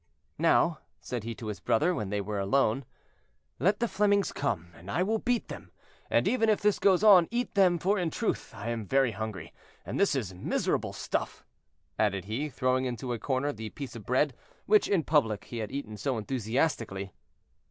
"Now," said he to his brother, when they were alone, "let the Flemings come, and I will beat them, and even, if this goes on, eat them, for in truth I am very hungry, and this is miserable stuff," added he, throwing into a corner the piece of bread, which in public he had eaten so enthusiastically.